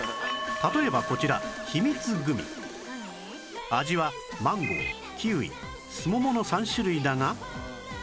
例えばこちら味はマンゴーキウイスモモの３種類だが